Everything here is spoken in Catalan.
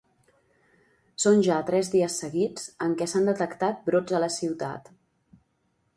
Són ja tres dies seguits en què s’han detectat brots a la ciutat.